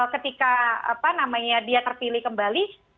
ketika dia terpilih kembali